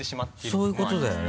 そういうことだよね。